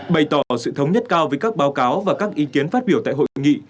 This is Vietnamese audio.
bày tỏ sự thống nhất cao với các báo cáo và các ý kiến phát biểu tại hội nghị